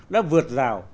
đã vượt rào